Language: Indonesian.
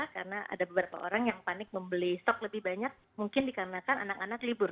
karena ada beberapa orang yang panik membeli stok lebih banyak mungkin dikarenakan anak anak libur